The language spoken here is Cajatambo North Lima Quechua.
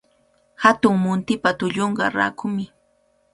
Hatun muntipa tullunqa rakumi.